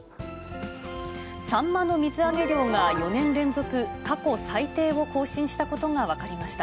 サンマの水揚げ量が４年連続、過去最低を更新したことが分かりました。